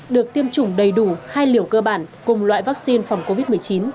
được tiêm chủng đầy đủ hai liều cơ bản cùng loại vaccine phòng covid một mươi chín